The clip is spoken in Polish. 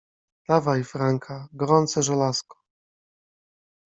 Dawaj, Franka, gorące żelazko.